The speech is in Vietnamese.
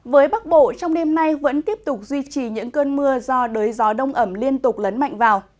với bắc bộ trong đêm nay vẫn tiếp tục duy trì những cơn mưa do đới gió đông ẩm liên tục lấn mạnh vào